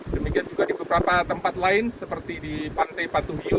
demikian juga di beberapa tempat lain seperti di pantai patuhi